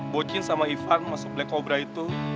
bocin sama ivan masuk black cobra itu